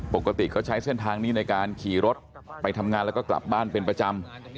ปกติเขาใช้เส้นทางนี้ในการขี่รถไปทำงานแล้วก็กลับบ้านเป็นประจำ